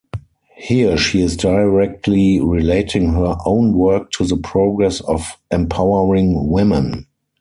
Here she is directly relating her own work to the progress of empowering women.